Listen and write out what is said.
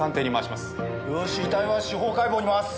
よし遺体は司法解剖に回す。